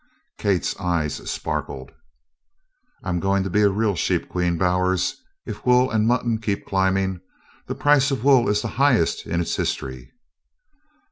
Kate's eyes sparkled. "I'm going to be a real Sheep Queen, Bowers, if wool and mutton keep climbing. The price of wool is the highest in its history."